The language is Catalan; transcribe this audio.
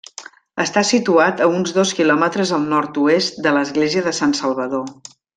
Està situat a uns dos quilòmetres al nord-oest de l'església de Sant Salvador.